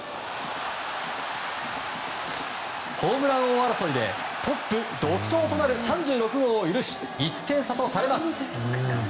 ホームラン王争いでトップ独走となる３６号を許し１点差とされます。